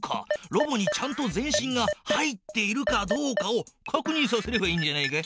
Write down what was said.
ロボにちゃんと全身が入っているかどうかをかくにんさせればいいんじゃないか？